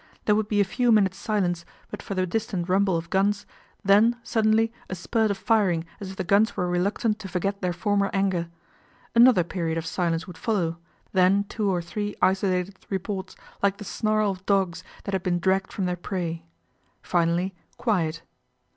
There would be a few minutes' silence but for the distant rumble of guns, then suddenly a spurt of firing as if the guns were reluctant to forget their former anger. Another period of silence would follow, then two or three isolated reports, like the snarl of dogs that had been dragged from their prey. Finally quiet.